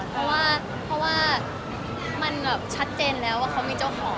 เพราะว่ามันแบบชัดเจนแล้วว่าเขามีเจ้าของ